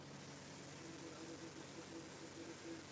আমাদের বরফের ভাস্কর্যের উপর পড়েছ।